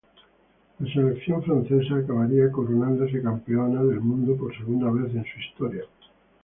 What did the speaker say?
La selección francesa acabaría coronándose campeona del mundo por segunda vez en su historia.